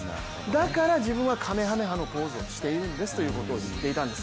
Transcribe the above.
だから自分はかめはめ波のポーズをしているんですと言っていたんです。